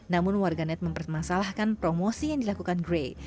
namun warganet mempermasalahkan promosi yang dilakukan gray